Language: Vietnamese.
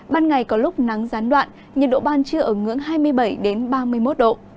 ban ngày có lúc nắng gián đoạn nhiệt độ ban trưa ở ngưỡng hai mươi bảy ba mươi một độ